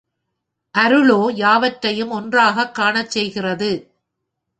அருளோ யாவற்றையும் ஒன்றாகக் காணச் செய்கின்றது.